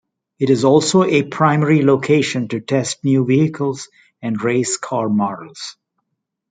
It is also a primary location to test new vehicles and race car models.